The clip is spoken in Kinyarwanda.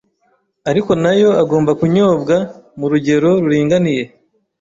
ariko na yo agomba kunyobwa mu rugero ruringaniye